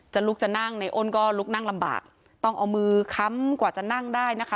ลุกจะนั่งในอ้นก็ลุกนั่งลำบากต้องเอามือค้ำกว่าจะนั่งได้นะคะ